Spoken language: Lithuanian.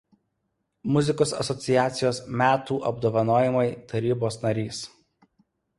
Muzikos asociacijos metų apdovanojimai Tarybos narys.